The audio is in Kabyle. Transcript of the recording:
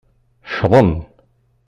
Ccḍen.